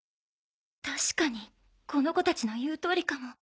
確かにこの子たちの言うとおりかも